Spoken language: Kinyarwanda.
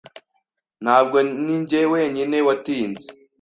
Ntabwo ninjye wenyine watinze.